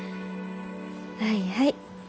はいはい。